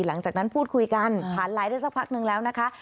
หลังจากนั้นพูดคุยกันผ่านไลน์ได้สักพักนึงแล้วนะคะ